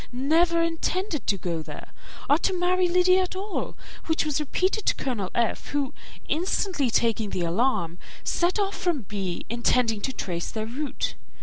never intended to go there, or to marry Lydia at all, which was repeated to Colonel F., who, instantly taking the alarm, set off from B., intending to trace their route.